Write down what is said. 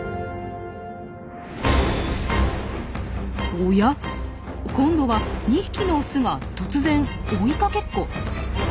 おや今度は２匹のオスが突然追いかけっこ。